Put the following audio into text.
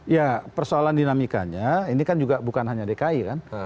ya persoalan dinamikanya ini kan juga bukan hanya dki kan